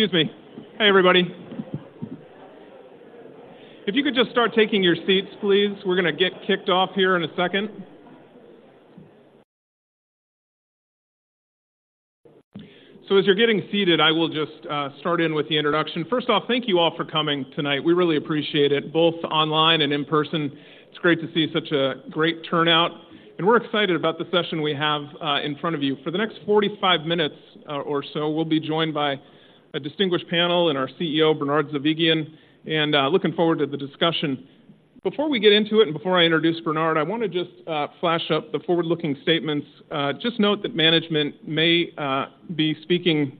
Excuse me. Hey, everybody. If you could just start taking your seats, please, we're gonna get kicked off here in a second. So as you're getting seated, I will just start in with the introduction. First off, thank you all for coming tonight. We really appreciate it, both online and in person. It's great to see such a great turnout, and we're excited about the session we have in front of you. For the next 45 minutes or so, we'll be joined by a distinguished panel and our CEO, Bernard Zovighian, and looking forward to the discussion. Before we get into it and before I introduce Bernard, I want to just flash up the forward-looking statements. Just note that management may be speaking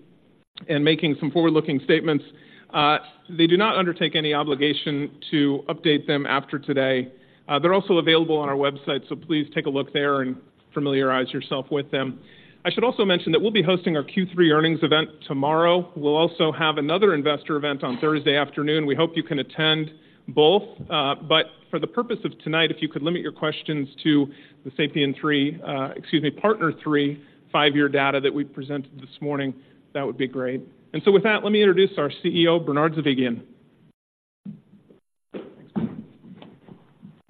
and making some forward-looking statements. They do not undertake any obligation to update them after today. They're also available on our website, so please take a look there and familiarize yourself with them. I should also mention that we'll be hosting our Q3 earnings event tomorrow. We'll also have another investor event on Thursday afternoon. We hope you can attend both, but for the purpose of tonight, if you could limit your questions to the SAPIEN 3, excuse me, PARTNER 3, five-year data that we presented this morning, that would be great. And so with that, let me introduce our CEO, Bernard Zovighian.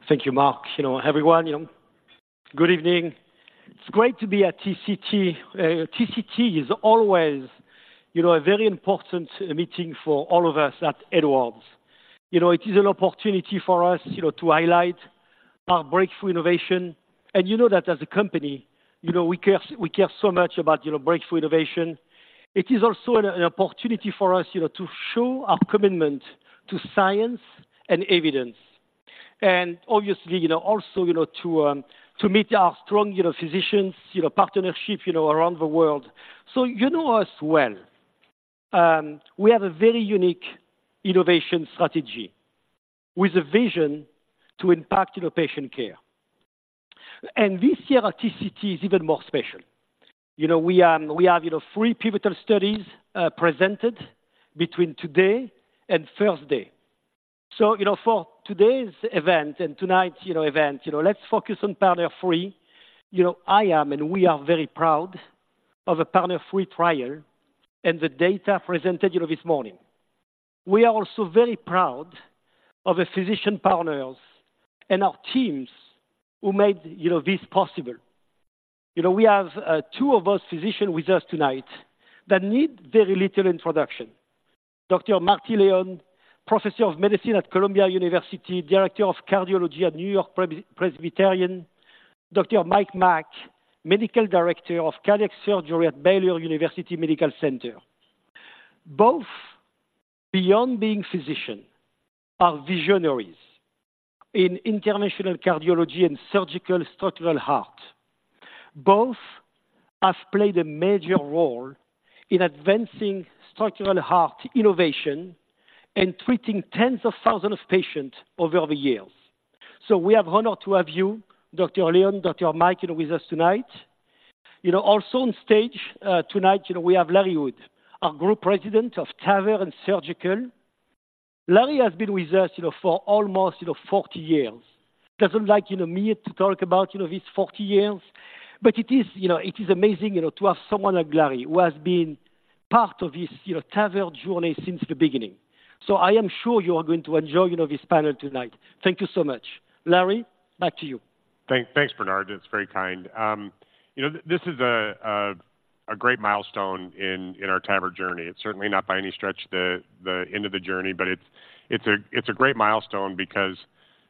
Thank you, Mark. You know, everyone, you know, good evening. It's great to be at TCT. TCT is always, you know, a very important meeting for all of us at Edwards. You know, it is an opportunity for us, you know, to highlight our breakthrough innovation, and you know that as a company, you know, we care, we care so much about, you know, breakthrough innovation. It is also an opportunity for us, you know, to show our commitment to science and evidence. And obviously, you know, also, you know, to meet our strong, you know, physicians, you know, partnership, you know, around the world. So you know us well. We have a very unique innovation strategy with a vision to impact, you know, patient care. And this year at TCT is even more special. You know, we have three pivotal studies presented between today and Thursday. So, you know, for today's event and tonight's event, you know, let's focus on PARTNER 3. You know, I am, and we are very proud of the PARTNER 3 trial and the data presented, you know, this morning. We are also very proud of the physician partners and our teams who made, you know, this possible. You know, we have two of those physicians with us tonight that need very little introduction. Dr. Martin Leon, Professor of Medicine at Columbia University, Director of Cardiology at NewYork-Presbyterian. Dr. Mike Mack, Medical Director of Cardiac Surgery at Baylor University Medical Center. Both, beyond being physicians, are visionaries in interventional cardiology and surgical structural heart. Both have played a major role in advancing structural heart innovation and treating tens of thousands of patients over the years. So we are honored to have you, Dr. Leon, Dr. Mike, you know, with us tonight. You know, also on stage, tonight, you know, we have Larry Wood, our Group President of TAVR and Surgical. Larry has been with us, you know, for almost, you know, 40 years. He doesn't like, you know, me to talk about, you know, his 40 years, but it is, you know, it is amazing, you know, to have someone like Larry, who has been part of this, you know, TAVR journey since the beginning. So I am sure you are going to enjoy, you know, this panel tonight. Thank you so much. Larry, back to you. Thanks, Bernard. It's very kind. You know, this is a great milestone in our TAVR journey. It's certainly not by any stretch the end of the journey, but it's a great milestone because,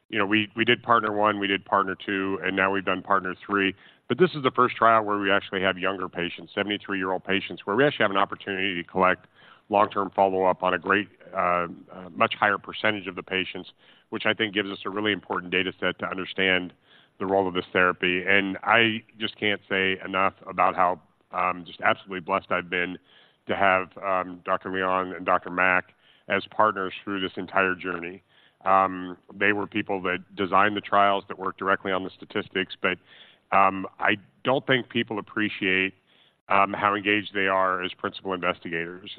you know, we did PARTNER 1, we did PARTNER 2, and now we've done PARTNER 3. But this is the first trial where we actually have younger patients, 73-year-old patients, where we actually have an opportunity to collect long-term follow-up on a great much higher percentage of the patients, which I think gives us a really important data set to understand the role of this therapy. And I just can't say enough about how just absolutely blessed I've been to have Dr. Leon and Dr. Mack as partners through this entire journey. They were people that designed the trials, that worked directly on the statistics, but, I don't think people appreciate, how engaged they are as principal investigators.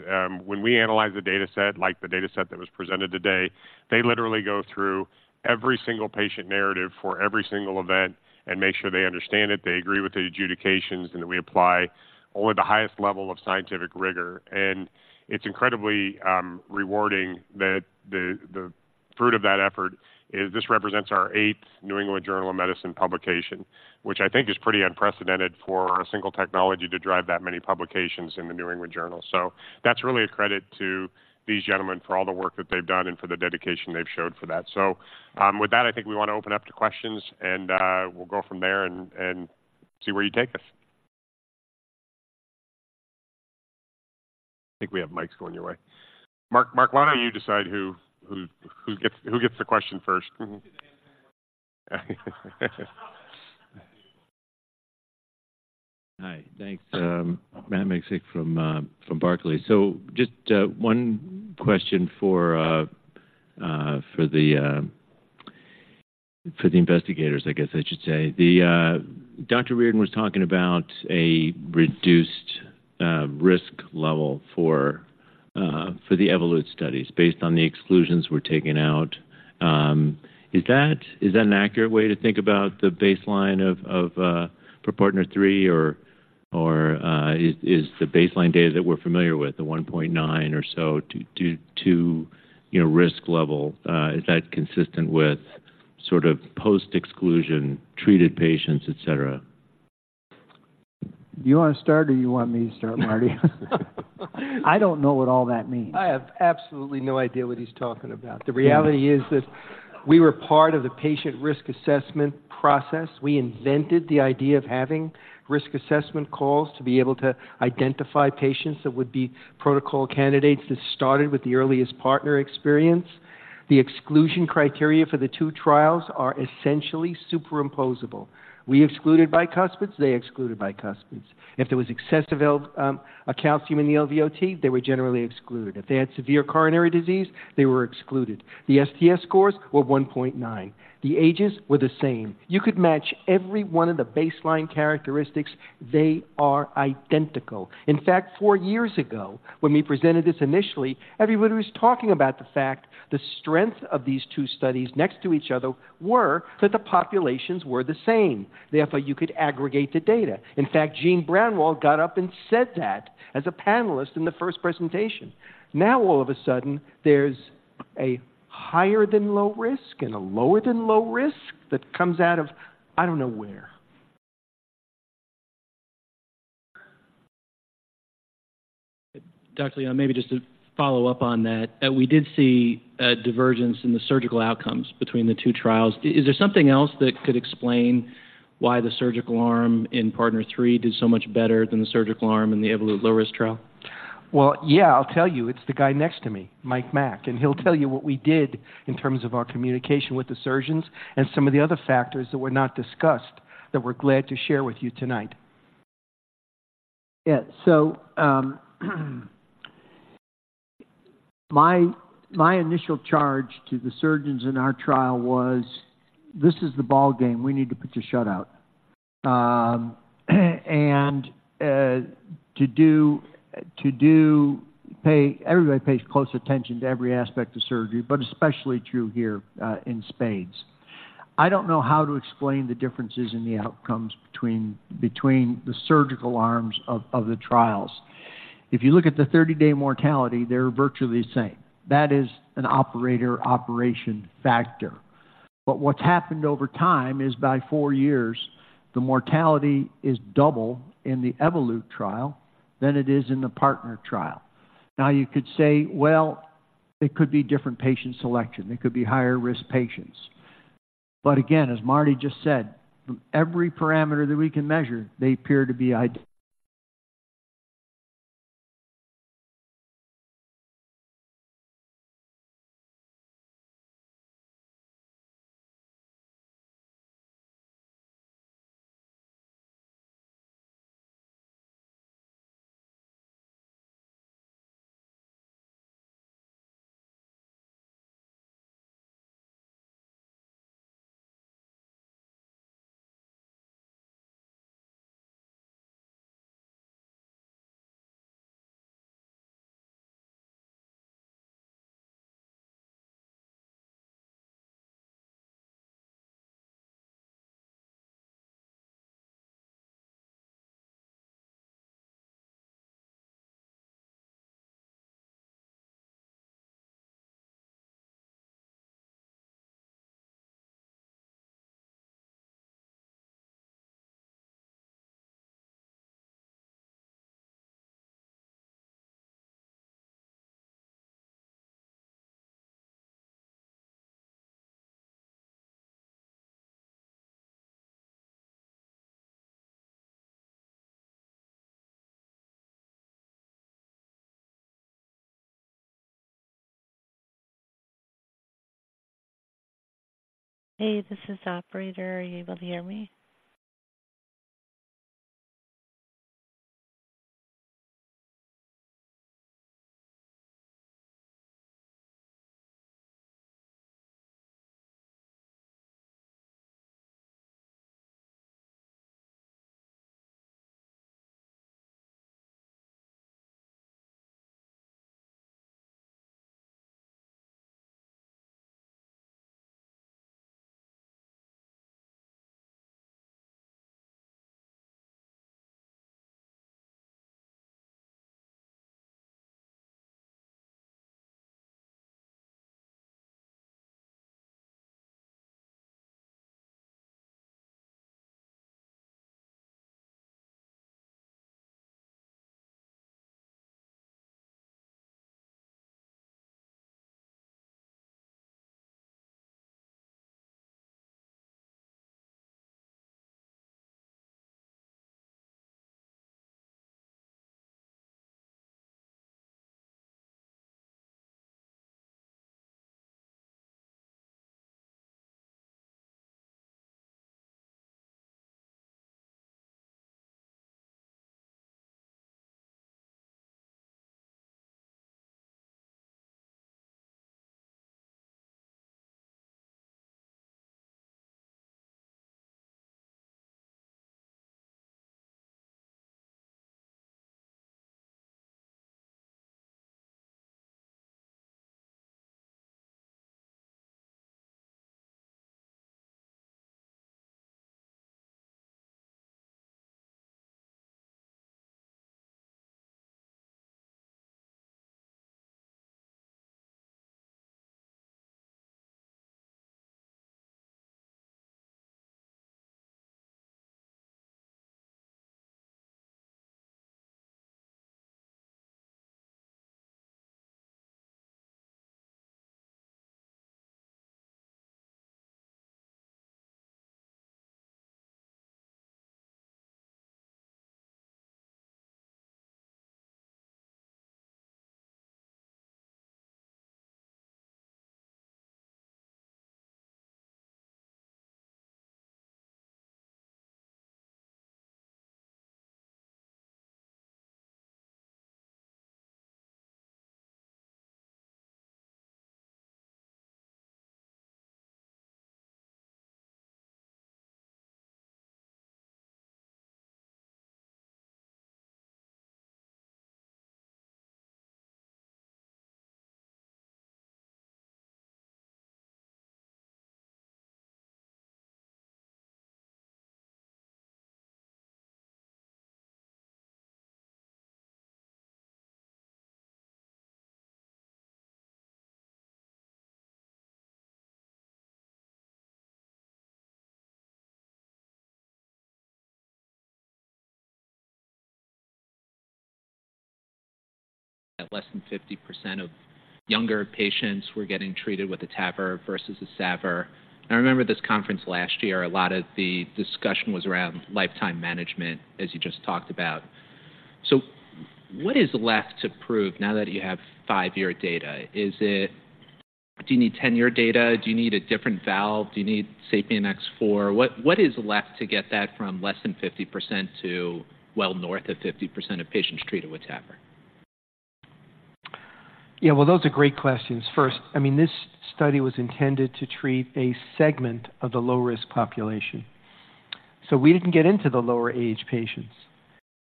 When we analyze the data set, like the data set that was presented today, they literally go through every single patient narrative for every single event and make sure they understand it, they agree with the adjudications, and that we apply only the highest level of scientific rigor. And it's incredibly, rewarding that the fruit of that effort is, this represents our eighth New England Journal of Medicine publication, which I think is pretty unprecedented for a single technology to drive that many publications in the New England Journal. So that's really a credit to these gentlemen for all the work that they've done and for the dedication they've showed for that. So, with that, I think we want to open up to questions, and we'll go from there and see where you take us. I think we have mics going your way. Mark, Mark, why don't you decide who gets the question first? Mm-hmm. Hi, thanks. Matt Miksic from Barclays. So just one question for the investigators, I guess I should say. The Dr. Reardon was talking about a reduced risk level for the Evolut studies based on the exclusions were taken out. Is that an accurate way to think about the baseline of for PARTNER 3, or is the baseline data that we're familiar with, the 1.9 or so to 2.0 risk level is that consistent with sort of post-exclusion treated patients, et cetera? You want to start, or you want me to start, Marty? I don't know what all that means. I have absolutely no idea what he's talking about. The reality is that we were part of the patient risk assessment process. We invented the idea of having risk assessment calls to be able to identify patients that would be protocol candidates. This started with the earliest PARTNER experience. The exclusion criteria for the two trials are essentially superimposable. We excluded bicuspids, they excluded bicuspids. If there was excessive calcium in the LVOT, they were generally excluded. If they had severe coronary disease, they were excluded. The STS scores were 1.9. The ages were the same. You could match every one of the baseline characteristics. They are identical. In fact, four years ago, when we presented this initially, everybody was talking about the fact, the strength of these two studies next to each other were that the populations were the same, therefore, you could aggregate the data. In fact, Eugene Braunwald got up and said that as a panelist in the first presentation. Now, all of a sudden, there's a higher than low risk and a lower than low risk that comes out of I don't know where. Dr. Leon, maybe just to follow up on that, that we did see a divergence in the surgical outcomes between the two trials. Is there something else that could explain why the surgical arm in PARTNER 3 did so much better than the surgical arm in the Evolut Low Risk Trial? Well, yeah, I'll tell you, it's the guy next to me, Mike Mack, and he'll tell you what we did in terms of our communication with the surgeons and some of the other factors that were not discussed that we're glad to share with you tonight. Yeah. So, my initial charge to the surgeons in our trial was, "This is the ball game. We need to pitch a shutout." Everybody pays close attention to every aspect of surgery, but especially true here, in spades. I don't know how to explain the differences in the outcomes between the surgical arms of the trials. If you look at the 30-day mortality, they're virtually the same. That is an operator, operation factor. But what's happened over time is by 4 years, the mortality is double in the Evolut trial than it is in the PARTNER trial. Now, you could say, well, it could be different patient selection, it could be higher-risk patients. But again, as Marty just said, every parameter that we can measure, they appear to be id- Hey, this is operator. Are you able to hear me? ... that less than 50% of younger patients were getting treated with a TAVR versus a SAVR. I remember this conference last year, a lot of the discussion was around lifetime management, as you just talked about. So what is left to prove now that you have five year data? Is it, do you need 10-year data? Do you need a different valve? Do you need SAPIEN X4? What, what is left to get that from less than 50% to well north of 50% of patients treated with TAVR? Yeah, well, those are great questions. First, I mean, this study was intended to treat a segment of the low-risk population. So we didn't get into the lower age patients,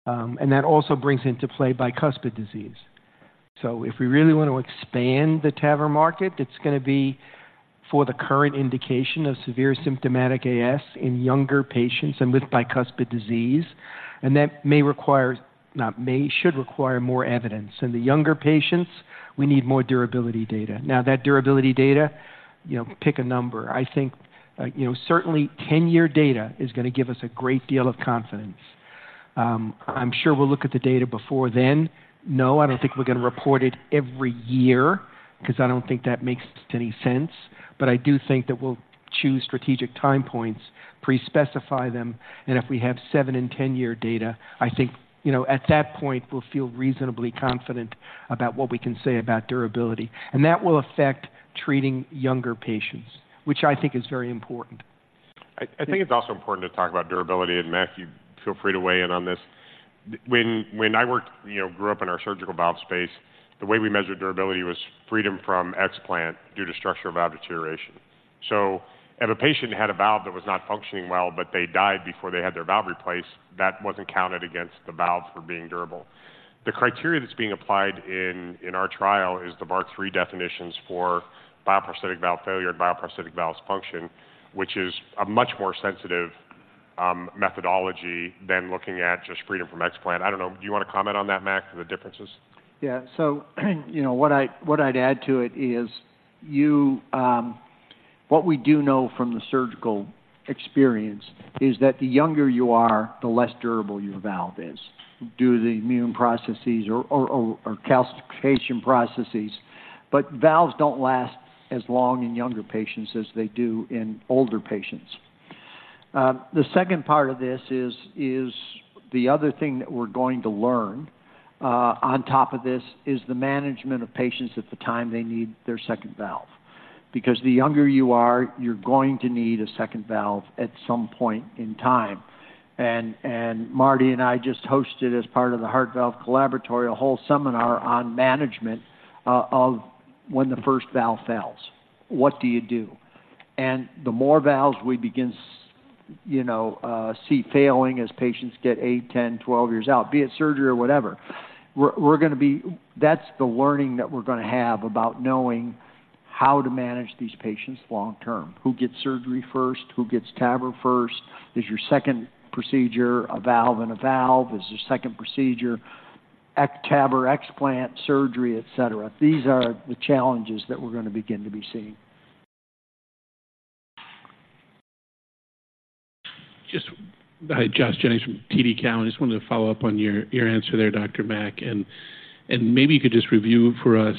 and that also brings into play bicuspid disease. So if we really want to expand the TAVR market, it's going to be for the current indication of severe symptomatic AS in younger patients and with bicuspid disease. And that may require, not may, should require more evidence. In the younger patients, we need more durability data. Now, that durability data, you know, pick a number. I think, you know, certainly 10-year data is going to give us a great deal of confidence. I'm sure we'll look at the data before then. No, I don't think we're going to report it every year because I don't think that makes any sense, but I do think that we'll choose strategic time points, pre-specify them, and if we have 7- and 10-year data, I think, you know, at that point, we'll feel reasonably confident about what we can say about durability, and that will affect treating younger patients, which I think is very important. I think it's also important to talk about durability, and Mack, you feel free to weigh in on this. When I worked, you know, grew up in our surgical valve space, the way we measured durability was freedom from explant due to structural valve deterioration. So if a patient had a valve that was not functioning well, but they died before they had their valve replaced, that wasn't counted against the valve for being durable. The criteria that's being applied in our trial is the BARC-3 definitions for bioprosthetic valve failure and bioprosthetic valve dysfunction, which is a much more sensitive methodology than looking at just freedom from explant. I don't know. Do you want to comment on that, Mack, the differences? Yeah. So, you know what I'd add to it is what we do know from the surgical experience is that the younger you are, the less durable your valve is due to the immune processes or calcification processes. But valves don't last as long in younger patients as they do in older patients. The second part of this is the other thing that we're going to learn on top of this is the management of patients at the time they need their second valve. Because the younger you are, you're going to need a second valve at some point in time. And Marty and I just hosted as part of the Heart Valve Collaboratory, a whole seminar on management of when the first valve fails. What do you do? And the more valves we begin you know, see failing as patients get 8, 10, 12 years out, be it surgery or whatever, we're going to be that's the learning that we're going to have about knowing how to manage these patients long term. Who gets surgery first? Who gets TAVR first? Is your second procedure a valve-in-valve? Is your second procedure TAVR, explant, surgery, et cetera? These are the challenges that we're going to begin to be seeing. Hi, Josh Jennings from TD Cowen. I just wanted to follow up on your answer there, Dr. Mack, and maybe you could just review for us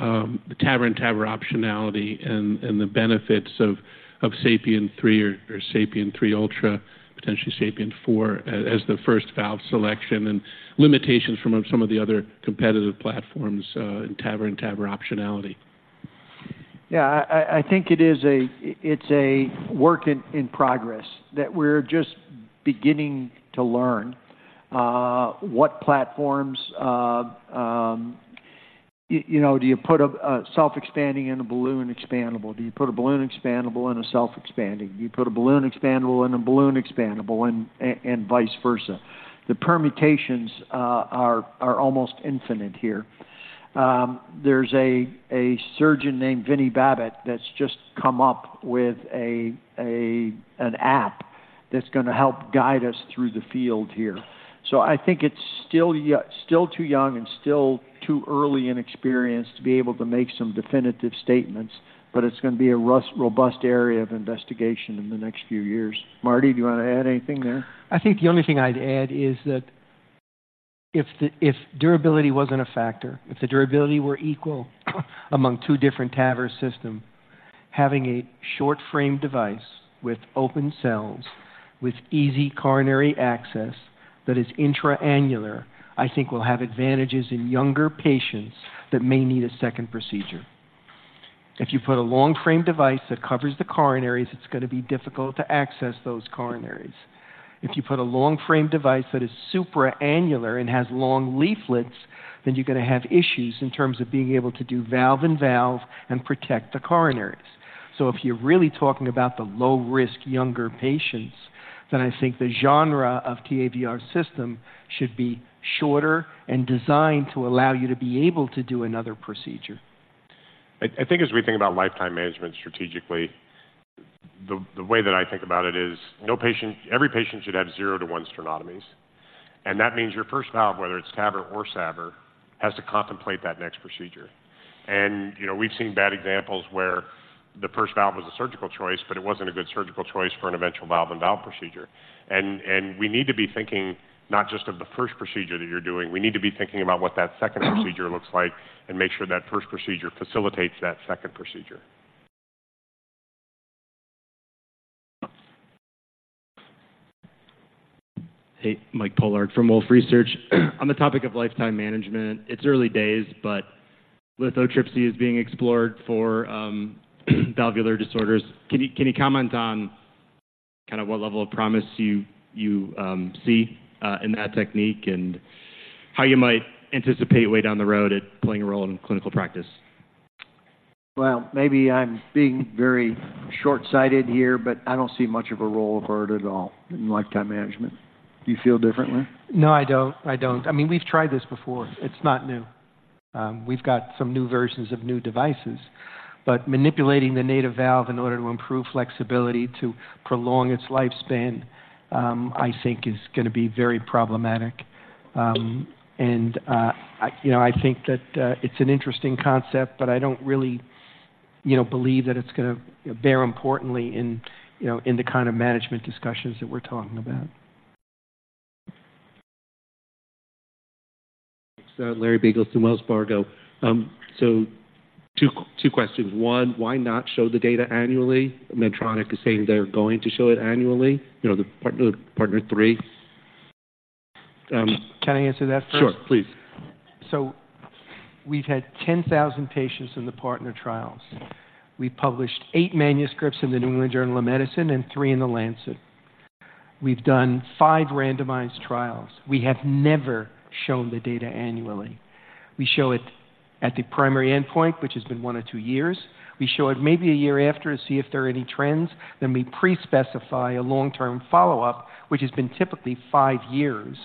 the TAVR-in-TAVR optionality and the benefits of SAPIEN 3 or SAPIEN 3 Ultra, potentially SAPIEN 4 as the first valve selection and limitations from some of the other competitive platforms in TAVR-in-TAVR optionality. Yeah, I think it is a—it's a work in progress that we're just beginning to learn what platforms. You know, do you put a self-expanding in a balloon expandable? Do you put a balloon expandable in a self-expanding? Do you put a balloon expandable in a balloon expandable and vice versa? The permutations are almost infinite here. There's a surgeon named Vinayak Bapat that's just come up with an app that's going to help guide us through the field here. So I think it's still too young and still too early in experience to be able to make some definitive statements, but it's going to be a robust area of investigation in the next few years. Marty, do you want to add anything there? I think the only thing I'd add is that if durability wasn't a factor, if the durability were equal among two different TAVR system, having a short-frame device with open cells, with easy coronary access that is intra-annular, I think will have advantages in younger patients that may need a second procedure. If you put a long-frame device that covers the coronaries, it's going to be difficult to access those coronaries. If you put a long-frame device that is supra-annular and has long leaflets, then you're going to have issues in terms of being able to do valve-in-valve and protect the coronaries. So if you're really talking about the low-risk, younger patients, then I think the genre of TAVR system should be shorter and designed to allow you to be able to do another procedure. I think as we think about lifetime management strategically, the way that I think about it is no patient, every patient should have zero to one sternotomies, and that means your first valve, whether it's TAVR or SAVR, has to contemplate that next procedure. And, you know, we've seen bad examples where the first valve was a surgical choice, but it wasn't a good surgical choice for an eventual valve-in-valve procedure. And we need to be thinking not just of the first procedure that you're doing, we need to be thinking about what that second procedure looks like and make sure that first procedure facilitates that second procedure. Hey, Mike Pollock from Wolfe Research. On the topic of lifetime management, it's early days, but lithotripsy is being explored for valvular disorders. Can you comment on kind of what level of promise you see in that technique and how you might anticipate way down the road it playing a role in clinical practice? Well, maybe I'm being very short-sighted here, but I don't see much of a role for it at all in lifetime management. Do you feel differently? No, I don't. I don't. I mean, we've tried this before. It's not new. We've got some new versions of new devices, but manipulating the native valve in order to improve flexibility to prolong its lifespan, I think is going to be very problematic. And, I, you know, I think that, it's an interesting concept, but I don't really, you know, believe that it's going to bear importantly in, you know, in the kind of management discussions that we're talking about. So, Larry Biegelsen through Wells Fargo. So two questions. One, why not show the data annually? Medtronic is saying they're going to show it annually, you know, the PARTNER, PARTNER 3. Can I answer that first? Sure, please. So we've had 10,000 patients in the PARTNER trials. We published eight manuscripts in the New England Journal of Medicine and three in The Lancet. We've done five randomized trials. We have never shown the data annually. We show it at the primary endpoint, which has been one or two years. We show it maybe one year after to see if there are any trends, then we pre-specify a long-term follow-up, which has been typically five years,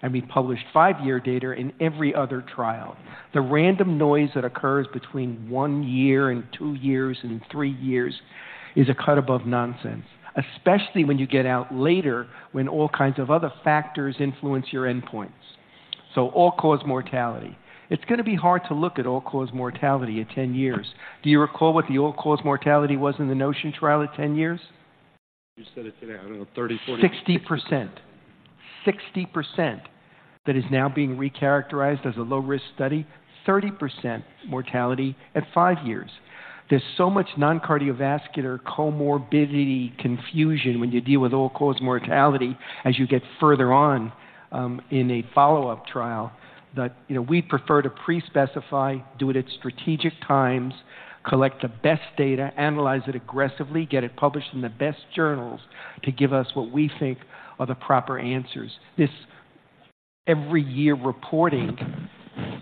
and we published five-year data in every other trial. The random noise that occurs between one year and two years and three years is a cut above nonsense, especially when you get out later, when all kinds of other factors influence your endpoints. So all-cause mortality. It's going to be hard to look at all-cause mortality at 10 years. Do you recall what the all-cause mortality was in the NOTION Trial at 10 years? You said it today. I don't know, 30, 40- 60%. 60% that is now being recharacterized as a low-risk study, 30% mortality at five years. There's so much non-cardiovascular comorbidity confusion when you deal with all-cause mortality as you get further on, in a follow-up trial that, you know, we prefer to pre-specify, do it at strategic times, collect the best data, analyze it aggressively, get it published in the best journals to give us what we think are the proper answers. This every year reporting.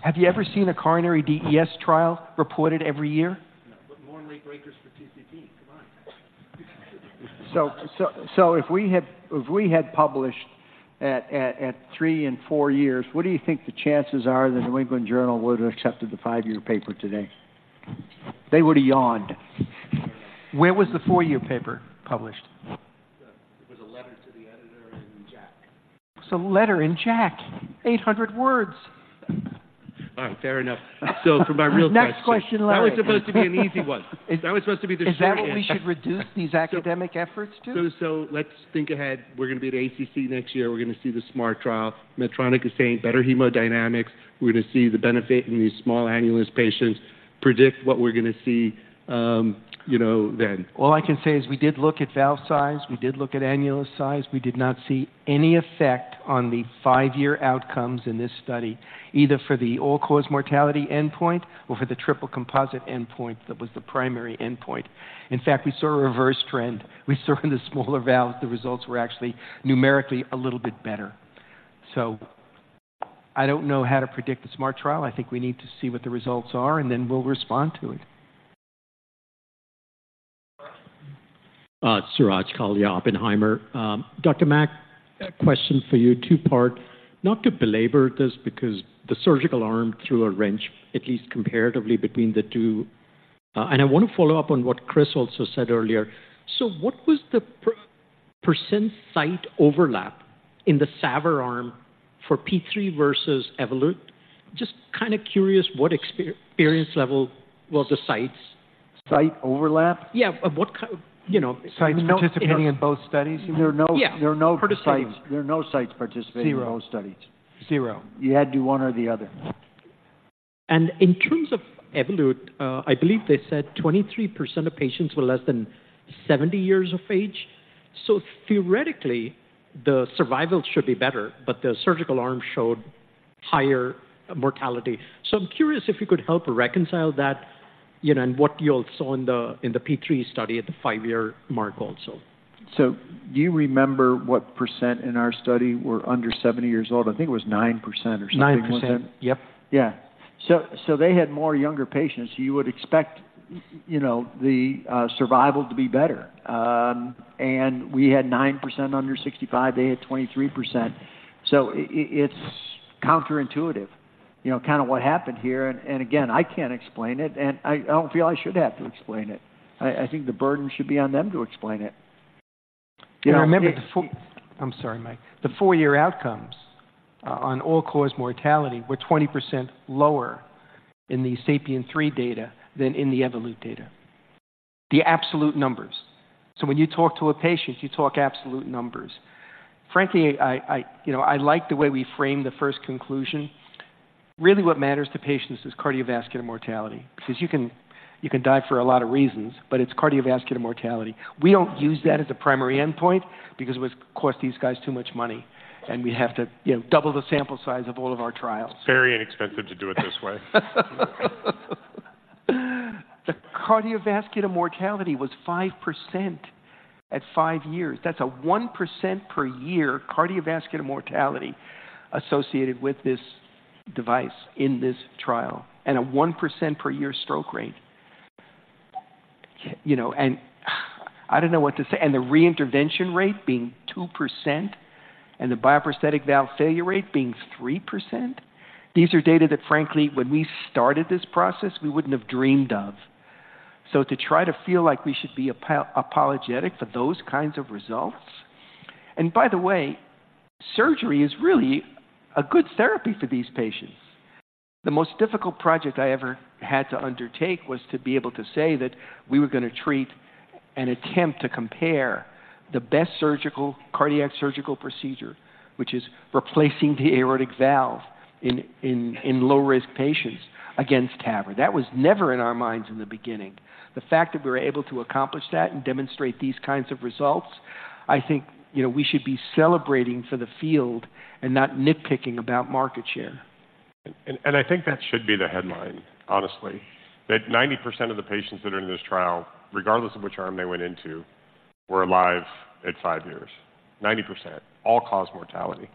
Have you ever seen a coronary DES trial reported every year? No, but morning late breakers for TCT, come on. So, if we had published at three and four years, what do you think the chances are the New England Journal would have accepted the five-year paper today? They would have yawned. Where was the four-year paper published? It was a letter to the editor in JACC. It was a letter in JACC, 800 words. All right, fair enough. So for my real question- Next question, Larry. That was supposed to be an easy one. That was supposed to be the short answer. Is that why we should reduce these academic efforts to? So, so let's think ahead. We're going to be at ACC next year. We're going to see the SMART trial. Medtronic is saying better hemodynamics. We're going to see the benefit in these small annulus patients. Predict what we're going to see, you know, then. All I can say is we did look at valve size, we did look at annulus size. We did not see any effect on the five-year outcomes in this study, either for the all-cause mortality endpoint or for the triple composite endpoint that was the primary endpoint. In fact, we saw a reverse trend. We saw in the smaller valves, the results were actually numerically a little bit better. So I don't know how to predict the SMART trial. I think we need to see what the results are, and then we'll respond to it. Suraj Kalia, Oppenheimer. Dr. Mack, a question for you, two-part. Not to belabor this because the surgical arm threw a wrench, at least comparatively, between the two. I want to follow up on what Chris also said earlier. So what was the percent site overlap in the SAVR arm for P3 versus Evolut? Just kind of curious what experience level was the sites. Site overlap? Yeah, of what kind-- You know. Sites participating in both studies? There are no- Yeah. There are no sites. Participating. There are no sites participating- Zero in both studies. Zero. You had to do one or the other. In terms of Evolut, I believe they said 23% of patients were less than 70 years of age. So theoretically, the survival should be better, but the surgical arm showed higher mortality. So I'm curious if you could help reconcile that, you know, and what you also saw in the P3 study at the five-year mark also. Do you remember what percent in our study were under 70 years old? I think it was 9% or something. 9%. Yep. Yeah. So they had more younger patients. You would expect, you know, the survival to be better. And we had 9% under 65, they had 23%. So it's counterintuitive, you know, kind of what happened here, and again, I can't explain it, and I don't feel I should have to explain it. I think the burden should be on them to explain it. And remember, the four-- I'm sorry, Mike. The four-year outcomes on all-cause mortality were 20% lower in the SAPIEN 3 data than in the Evolut data, the absolute numbers. So when you talk to a patient, you talk absolute numbers. Frankly, I, I, you know, I like the way we framed the first conclusion. Really, what matters to patients is cardiovascular mortality, because you can, you can die for a lot of reasons, but it's cardiovascular mortality. We don't use that as a primary endpoint because it would cost these guys too much money, and we'd have to, you know, double the sample size of all of our trials. Very inexpensive to do it this way. The cardiovascular mortality was 5% at five years. That's a 1% per year cardiovascular mortality associated with this device in this trial and a 1% per year stroke rate. You know, and I don't know what to say. And the reintervention rate being 2% and the bioprosthetic valve failure rate being 3%? These are data that, frankly, when we started this process, we wouldn't have dreamed of. So to try to feel like we should be apologetic for those kinds of results. And by the way, surgery is really a good therapy for these patients. The most difficult project I ever had to undertake was to be able to say that we were going to treat and attempt to compare the best surgical, cardiac surgical procedure, which is replacing the aortic valve in low-risk patients against TAVR. That was never in our minds in the beginning. The fact that we were able to accomplish that and demonstrate these kinds of results, I think, you know, we should be celebrating for the field and not nitpicking about market share. I think that should be the headline, honestly, that 90% of the patients that are in this trial, regardless of which arm they went into, were alive at five years. 90%, all-cause mortality.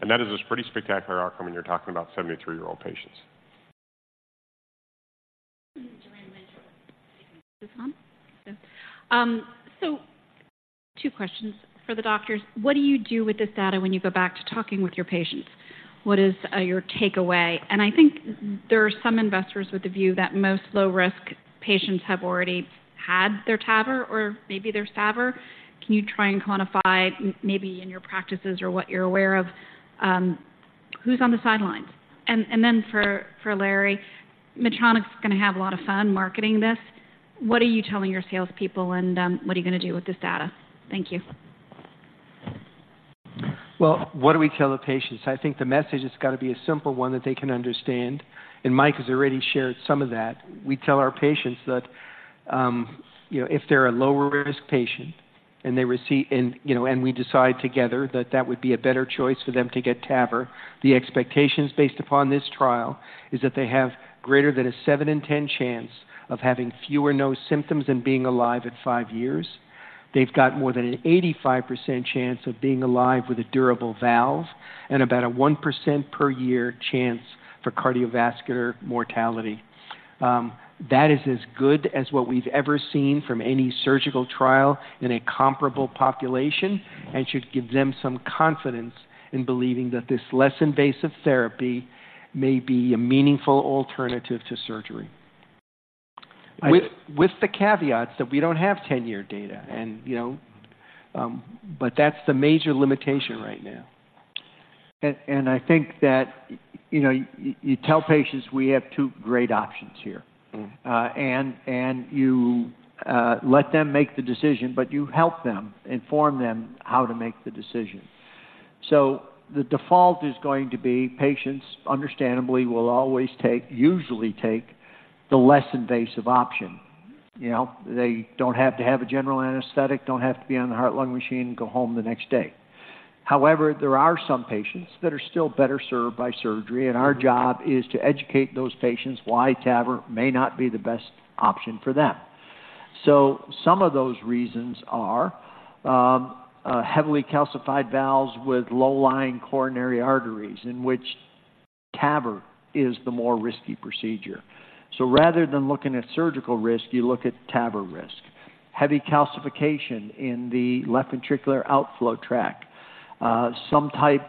And that is a pretty spectacular outcome, and you're talking about 73-year-old patients. So two questions for the doctors. What do you do with this data when you go back to talking with your patients? What is your takeaway? And I think there are some investors with the view that most low-risk patients have already had their TAVR or maybe their SAVR. Can you try and quantify, maybe in your practices or what you're aware of, who's on the sidelines? And then for Larry, Medtronic is going to have a lot of fun marketing this. What are you telling your salespeople, and what are you going to do with this data? Thank you. Well, what do we tell the patients? I think the message has got to be a simple one that they can understand, and Mike has already shared some of that. We tell our patients that, you know, if they're a lower-risk patient and they receive-- and, you know, and we decide together that that would be a better choice for them to get TAVR, the expectations based upon this trial is that they have greater than a 7 in 10 chance of having fewer no symptoms than being alive at five years. They've got more than an 85% chance of being alive with a durable valve and about a 1% per year chance for cardiovascular mortality. That is as good as what we've ever seen from any surgical trial in a comparable population and should give them some confidence in believing that this less invasive therapy may be a meaningful alternative to surgery. With-With the caveats that we don't have 10-year data and, you know, but that's the major limitation right now. I think that, you know, you tell patients we have two great options here. Mm. And, and you let them make the decision, but you help them inform them how to make the decision. So the default is going to be patients, understandably, will always take—usually take the less invasive option. You know, they don't have to have a general anesthetic, don't have to be on the heart-lung machine, and go home the next day. However, there are some patients that are still better served by surgery, and our job is to educate those patients why TAVR may not be the best option for them. So some of those reasons are a heavily calcified valves with low-lying coronary arteries, in which-... TAVR is the more risky procedure. So rather than looking at surgical risk, you look at TAVR risk. Heavy calcification in the left ventricular outflow tract, some type,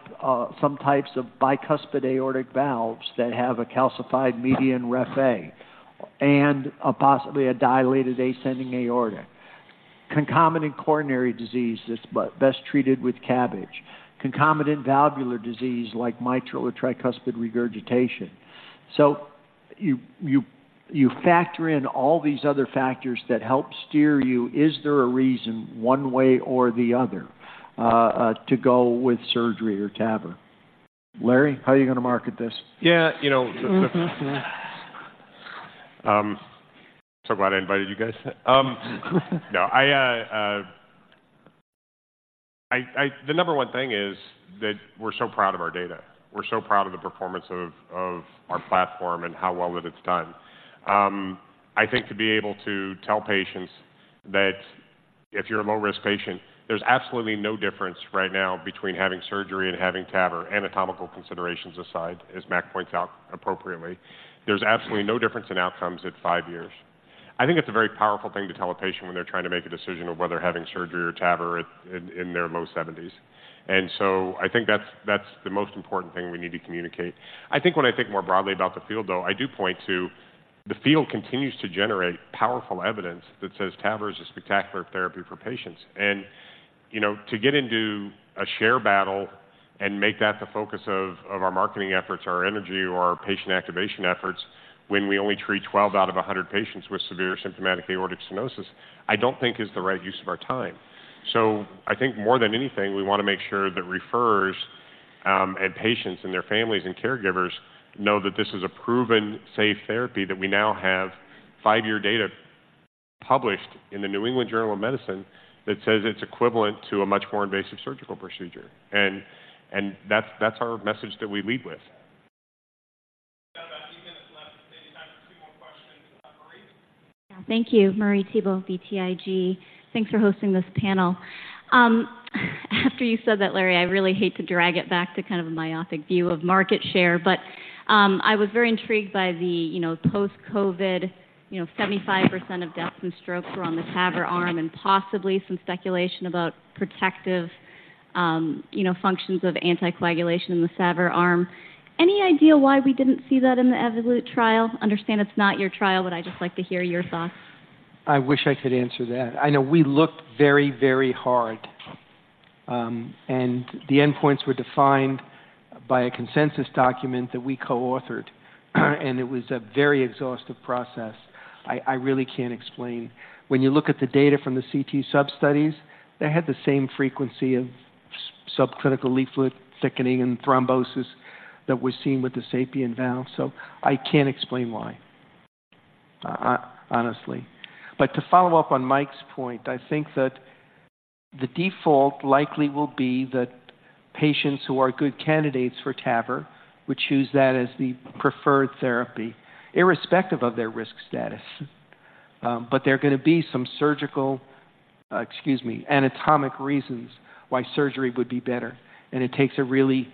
some types of bicuspid aortic valves that have a calcified median raphe and possibly a dilated ascending aorta. Concomitant coronary disease that's but best treated with CABG, concomitant valvular disease like mitral or tricuspid regurgitation. So you, you, you factor in all these other factors that help steer you. Is there a reason, one way or the other, to go with surgery or TAVR? Larry, how are you going to market this? Yeah, you know. So glad I invited you guys. The number one thing is that we're so proud of our data. We're so proud of the performance of our platform and how well that it's done. I think to be able to tell patients that if you're a low-risk patient, there's absolutely no difference right now between having surgery and having TAVR, anatomical considerations aside, as Mack points out appropriately, there's absolutely no difference in outcomes at five years. I think it's a very powerful thing to tell a patient when they're trying to make a decision of whether having surgery or TAVR in their low 70s. So I think that's the most important thing we need to communicate. I think when I think more broadly about the field, though, I do point to the field continues to generate powerful evidence that says TAVR is a spectacular therapy for patients. And, you know, to get into a share battle and make that the focus of, of our marketing efforts, our energy, or our patient activation efforts, when we only treat 12 out of 100 patients with severe symptomatic aortic stenosis, I don't think is the right use of our time. So I think more than anything, we want to make sure that referrers and patients and their families and caregivers know that this is a proven, safe therapy, that we now have five-year data published in the New England Journal of Medicine that says it's equivalent to a much more invasive surgical procedure. And, and that's, that's our message that we lead with. We've got about eight minutes left, so there's time for two more questions. Marie? Yeah. Thank you. Marie Thibault, BTIG. Thanks for hosting this panel. After you said that, Larry, I really hate to drag it back to kind of a myopic view of market share, but I was very intrigued by the, you know, post-COVID. You know, 75% of deaths and strokes were on the TAVR arm and possibly some speculation about protective, you know, functions of anticoagulation in the SAVR arm. Any idea why we didn't see that in the Evolut trial? I understand it's not your trial, but I'd just like to hear your thoughts. I wish I could answer that. I know we looked very, very hard, and the endpoints were defined by a consensus document that we coauthored, and it was a very exhaustive process. I really can't explain. When you look at the data from the CT substudies, they had the same frequency of subclinical leaflet thickening and thrombosis that was seen with the SAPIEN valve so I can't explain why, honestly. But to follow up on Mike's point, I think that the default likely will be that patients who are good candidates for TAVR would choose that as the preferred therapy, irrespective of their risk status. But there are going to be some surgical, excuse me, anatomic reasons why surgery would be better. It takes a really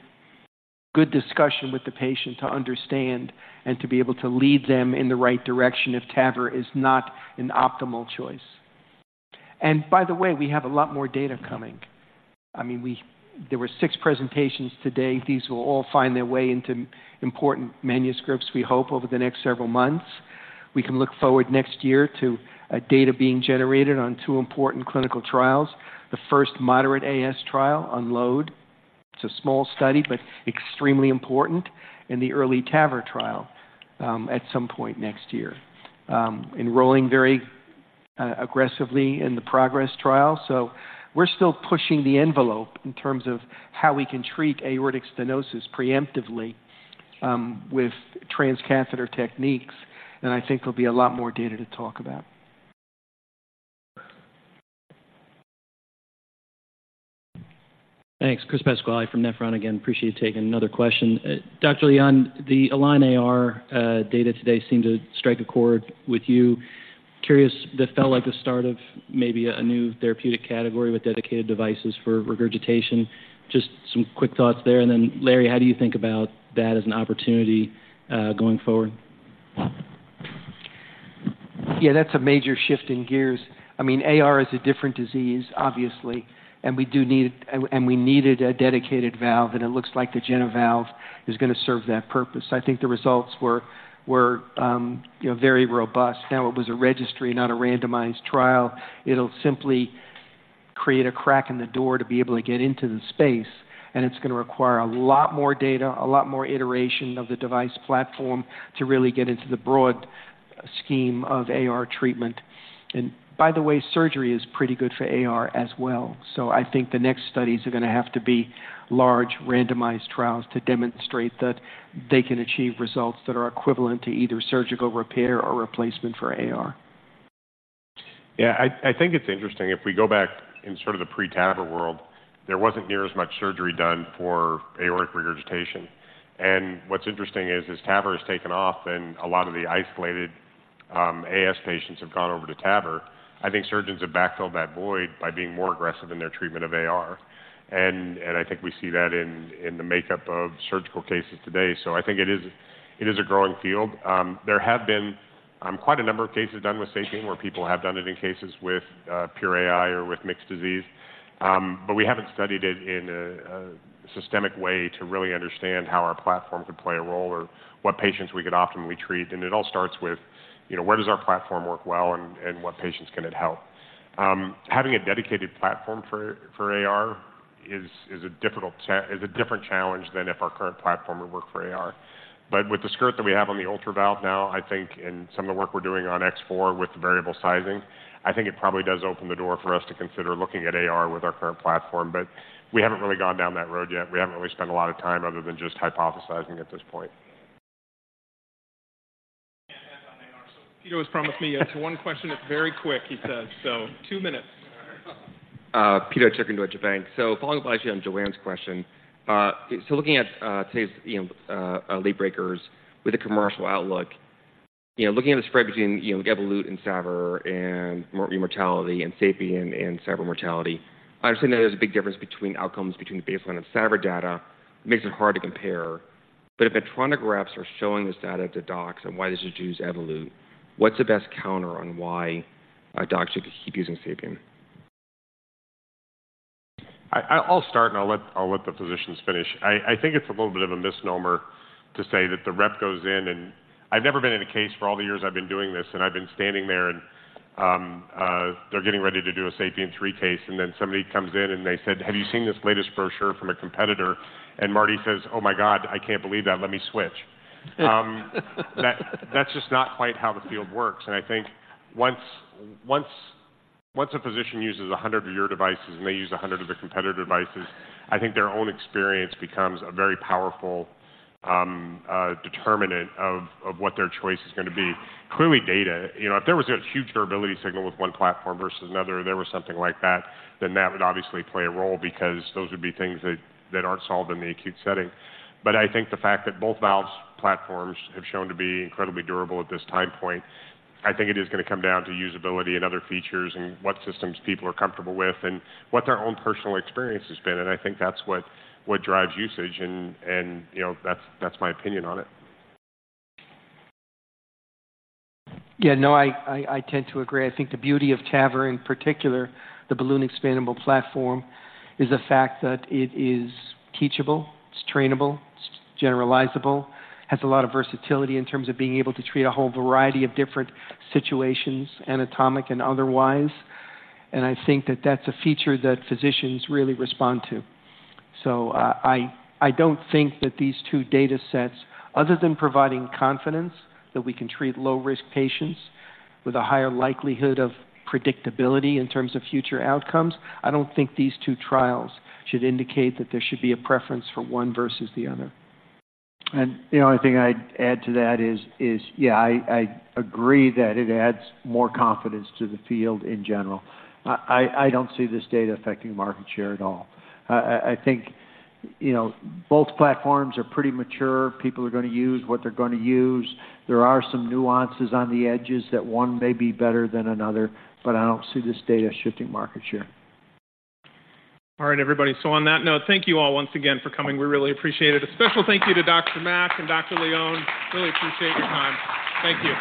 good discussion with the patient to understand and to be able to lead them in the right direction if TAVR is not an optimal choice. And by the way, we have a lot more data coming. I mean, there were six presentations today. These will all find their way into important manuscripts, we hope, over the next several months. We can look forward next year to data being generated on two important clinical trials. The first moderate AS trial, UNLOAD. It's a small study, but extremely important, and the EARLY TAVR Trial at some point next year. Enrolling very aggressively in the PROGRESS Trial. So we're still pushing the envelope in terms of how we can treat aortic stenosis preemptively with transcatheter techniques, and I think there'll be a lot more data to talk about. Thanks. Chris Pasquale from Nephron again. Appreciate you taking another question. Dr. Leon, the ALIGN-AR data today seemed to strike a chord with you. Curious, that felt like the start of maybe a new therapeutic category with dedicated devices for regurgitation. Just some quick thoughts there, and then, Larry, how do you think about that as an opportunity going forward? Yeah, that's a major shift in gears. I mean, AR is a different disease, obviously, and we do need and we needed a dedicated valve, and it looks like the JenaValve is going to serve that purpose. I think the results were, you know, very robust. Now, it was a registry, not a randomized trial. It'll simply create a crack in the door to be able to get into the space, and it's going to require a lot more data, a lot more iteration of the device platform to really get into the broad scheme of AR treatment. And by the way, surgery is pretty good for AR as well. So I think the next studies are going to have to be large, randomized trials to demonstrate that they can achieve results that are equivalent to either surgical repair or replacement for AR. Yeah, I think it's interesting. If we go back in sort of the pre-TAVR world, there wasn't near as much surgery done for aortic regurgitation. And what's interesting is, as TAVR has taken off and a lot of the isolated AS patients have gone over to TAVR, I think surgeons have backfilled that void by being more aggressive in their treatment of AR. And I think we see that in the makeup of surgical cases today. So I think it is a growing field. There have been quite a number of cases done with SAPIEN, where people have done it in cases with pure AI or with mixed disease. But we haven't studied it in a systematic way to really understand how our platform could play a role or what patients we could optimally treat. And it all starts with, you know, where does our platform work well and, and what patients can it help? Having a dedicated platform for, for AR is a different challenge than if our current platform would work for AR. But with the skirt that we have on the Ultra Valve now, I think, and some of the work we're doing on X4 with the variable sizing, I think it probably does open the door for us to consider looking at AR with our current platform. But we haven't really gone down that road yet. We haven't really spent a lot of time other than just hypothesizing at this point. On AR. So Peter has promised me it's one question. It's very quick, he says. So two minutes. Pito Chickering, Deutsche Bank. So following up actually on Joanne's question, looking at today's, you know, late breakers with a commercial outlook, you know, looking at the spread between, you know, Evolut and SAVR and mortality and SAPIEN and SAVR mortality, I understand there's a big difference between outcomes between the baseline and SAVR data, makes it hard to compare. But if Medtronic reps are showing this data to docs on why they should choose Evolut, what's the best counter on why a doctor should keep using SAPIEN? I'll start, and I'll let the physicians finish. I think it's a little bit of a misnomer to say that the rep goes in and... I've never been in a case for all the years I've been doing this, and I've been standing there and they're getting ready to do a SAPIEN 3 case, and then somebody comes in, and they said, "Have you seen this latest brochure from a competitor?" And Marty says, "Oh, my God, I can't believe that. Let me switch." That's just not quite how the field works. And I think once a physician uses 100 of your devices and they use 100 of the competitor devices, I think their own experience becomes a very powerful determinant of what their choice is gonna be. Clearly, data, you know, if there was a huge durability signal with one platform versus another, there was something like that, then that would obviously play a role because those would be things that, that aren't solved in the acute setting. But I think the fact that both valves platforms have shown to be incredibly durable at this time point, I think it is gonna come down to usability and other features and what systems people are comfortable with and what their own personal experience has been. And I think that's what, what drives usage, and, and, you know, that's, that's my opinion on it. Yeah, no, I tend to agree. I think the beauty of TAVR, in particular, the balloon expandable platform, is the fact that it is teachable, it's trainable, it's generalizable, has a lot of versatility in terms of being able to treat a whole variety of different situations, anatomic and otherwise. And I think that that's a feature that physicians really respond to. So, I don't think that these two data sets, other than providing confidence that we can treat low-risk patients with a higher likelihood of predictability in terms of future outcomes, I don't think these two trials should indicate that there should be a preference for one versus the other. And the only thing I'd add to that is, yeah, I agree that it adds more confidence to the field in general. I don't see this data affecting market share at all. I think, you know, both platforms are pretty mature. People are gonna use what they're gonna use. There are some nuances on the edges that one may be better than another, but I don't see this data shifting market share. All right, everybody. On that note, thank you all once again for coming. We really appreciate it. A special thank you to Dr. Mack and Dr. Leon. Really appreciate your time. Thank you.